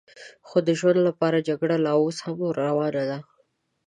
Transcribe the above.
خو د ژوند لپاره جګړه لا اوس هم روانه ده.